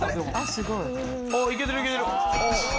おおいけてるいけてる。